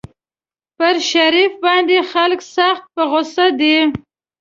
پر شریف باندې خلک سخت په غوسه دي.